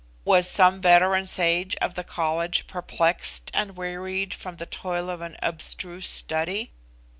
Was some veteran sage of the College perplexed and wearied with the toil of an abstruse study?